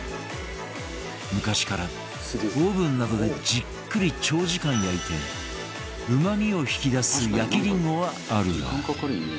昔からオーブンなどでじっくり長時間焼いてうまみを引き出す焼きりんごはあるが